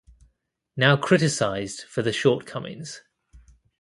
Now criticized for the short comings.